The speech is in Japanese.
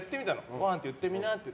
ごはんって言ってみなって。